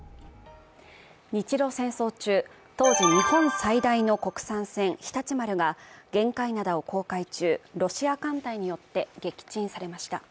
日ロ戦争中、当時日本最大の国産船「常陸丸」が玄界灘を航海中、ロシア艦隊によって撃沈されました。